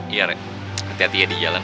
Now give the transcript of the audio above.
iya re hati hati ya di jalan